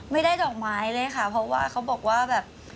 ดอกไม้เลยค่ะเพราะว่าเขาบอกว่าแบบ